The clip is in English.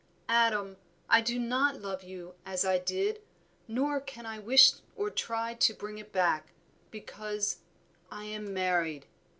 "Adam, I do not love you as I did, nor can I wish or try to bring it back, because I am married."